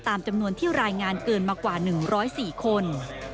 ตามจำนวนที่รายงานเกินมากว่า๑๐๔คน